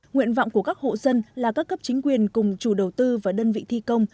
nguyện vọng của các hộ dân là các cấp chính quyền cùng chủ đầu tư và đơn vị thi công